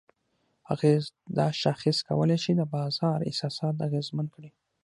اغېز: دا شاخص کولی شي د بازار احساسات اغیزمن کړي؛